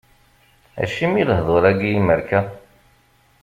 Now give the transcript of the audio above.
Acimi lehdur-agi imerka?